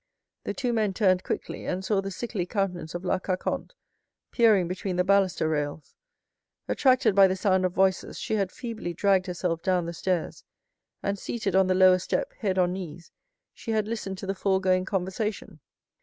The two men turned quickly, and saw the sickly countenance of La Carconte peering between the baluster rails; attracted by the sound of voices, she had feebly dragged herself down the stairs, and, seated on the lower step, head on knees, she had listened to the foregoing conversation.